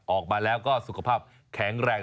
ออกมาแล้วก็สุขภาพแข็งแรง